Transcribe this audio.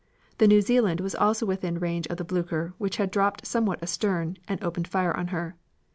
The New Zealand was also within range of the Blucher which had dropped somewhat astern, and opened fire on her.